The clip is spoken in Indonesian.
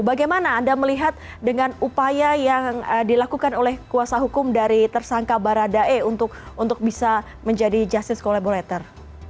bagaimana anda melihat dengan upaya yang dilakukan oleh kuasa hukum dari tersangka baradae untuk bisa menjadi justice collaborator